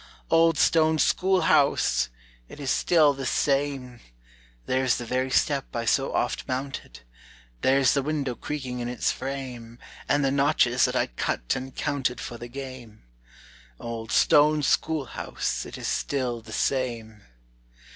"Old stone school house! it is still the same; There's the very step I so oft mounted; There's the window creaking in its frame, And the notches that I cut and counted For the game. Old stone school house, it is still the same.